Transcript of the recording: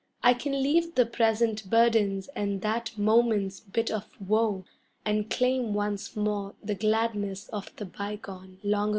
I can leave the present burdens and that moment's bit of woe, And claim once more the gladness of the bygone long ago.